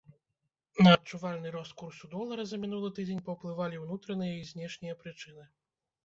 На адчувальны рост курсу долара за мінулы тыдзень паўплывалі ўнутраныя і знешнія прычыны.